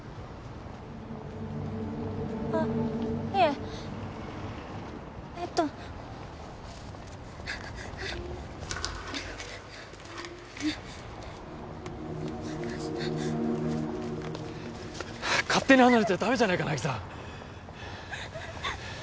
あっいええと勝手に離れちゃダメじゃないか渚！